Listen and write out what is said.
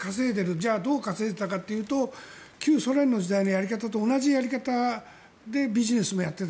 じゃあどう稼いでいたかというと旧ソ連の時代のやり方と同じやり方でビジネスもやっていた。